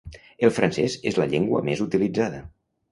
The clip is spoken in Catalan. El francès és la llengua més utilitzada.